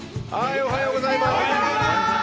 おはようございます。